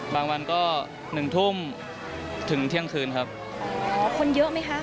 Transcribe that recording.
วันก็หนึ่งทุ่มถึงเที่ยงคืนครับอ๋อคนเยอะไหมคะ